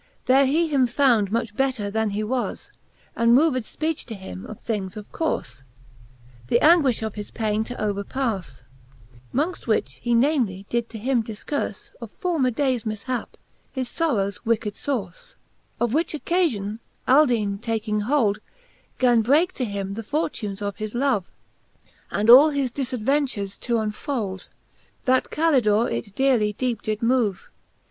There he him found much better then he was, And moved fpeach to him of things of courle, The anguifh of his paine to overpafle: Mongfl which he namely did to him difcourfe of former daies mifhap, his fbrrowes wicked fourfe, I i 2, XV. Of 244 Thepxth Booke of Cant. III. XV. of which occafion y^/J/;^^ taking hold, Gan breake to him the fortunes of his love, And all his difad ventures to unfold; That Calidore it dearly deepe did move.